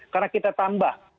karena kita tambah